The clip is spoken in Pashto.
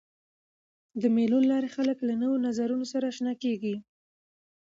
د مېلو له لاري خلک له نوو نظرونو سره آشنا کيږي.